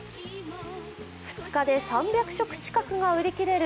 ２日で３００食近くが売り切れる